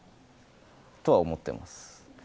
とは思ってます。